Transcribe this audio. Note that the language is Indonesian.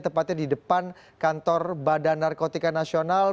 tepatnya di depan kantor badan narkotika nasional